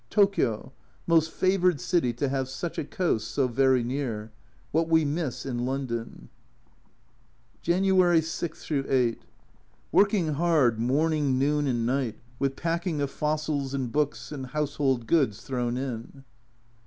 Tokio ! most favoured city, to have such a coast so very near. What we miss in London ! January 6 8. Working hard, morning, noon, and night, with packing of fossils and books, and house hold goods thrown in.